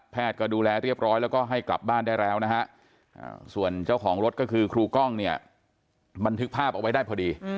ก็ดูแลเรียบร้อยแล้วก็ให้กลับบ้านได้แล้วนะฮะส่วนเจ้าของรถก็คือครูกล้องเนี่ยบันทึกภาพเอาไว้ได้พอดี